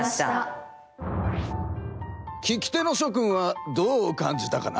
聞き手のしょくんはどう感じたかな？